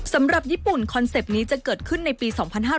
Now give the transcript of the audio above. สำหรับญี่ปุ่นคอนเซ็ปต์นี้จะเกิดขึ้นในปี๒๕๕๙